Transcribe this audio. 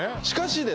しかし